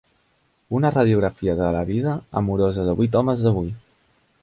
Una radiografia de la vida amorosa de vuit homes d'avui.